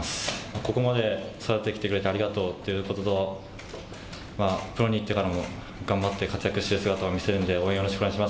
ここまで育ててきてくれてありがとうということばと、プロに行ってからも頑張って活躍している姿を見せるので。